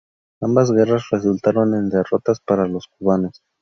Ambas guerras resultaron en derrotas para los cubanos.